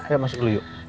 iya masuk dulu yuk